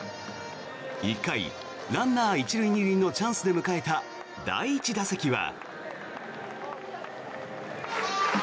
１回、ランナー１塁２塁のチャンスで迎えた第１打席は。